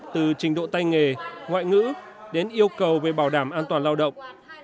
từ trình độ tay nghề ngoại ngữ đến yêu cầu về bảo đảm an toàn lao động